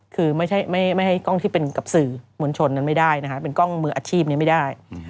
คือไม่ให้กล้องที่เป็นกับสื่อมวลชนนั้นไม่ได้นะฮะเป็นกล้องมืออาชีพนี้ไม่ได้